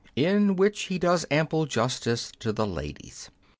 in which he does ample justice to the ladies.